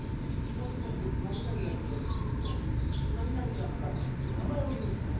もしもし、何々だけどっていうと、何々ちゃんかい？って名前を言うんです。